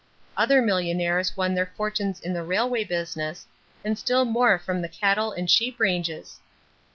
Other millionaires won their fortunes in the railway business and still more from the cattle and sheep ranges.